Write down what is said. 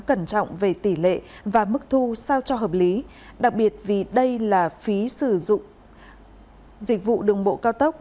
cẩn trọng về tỷ lệ và mức thu sao cho hợp lý đặc biệt vì đây là phí sử dụng dịch vụ đường bộ cao tốc